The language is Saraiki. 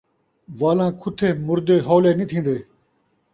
والاں کھتے مردے ہولے نہیں تھین٘دے